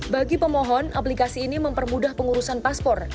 bagi pemohon aplikasi ini mempermudah pengurusan paspor